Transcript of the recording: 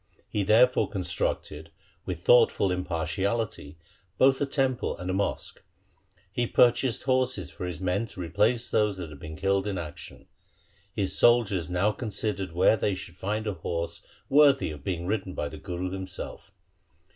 He therefore constructed with thoughtful impartiality both a temple and a mosque. He pur chased horses for his men to replace those which had been killed in action. His soldiers now considered where they should find a horse worthy of being ridden by the Guru himself.